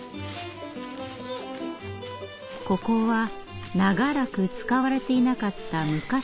ここは長らく使われていなかった昔の山道。